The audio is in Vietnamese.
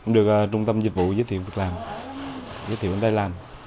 được trung tâm dịch vụ giới thiệu việc làm